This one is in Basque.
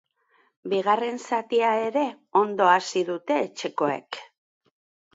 Bigarren zatia ere ondo hasi dute etxekoek.